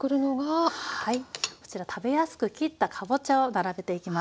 はいこちら食べやすく切ったかぼちゃを並べていきます。